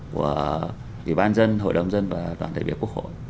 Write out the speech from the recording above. của ủy ban dân hội đồng dân và toàn thể biệt quốc hội